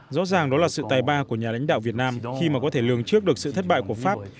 rõ ràng đó là sự tài ba của nhà lãnh đạo việt nam khi mà có thể lường trước được sự thất bại của pháp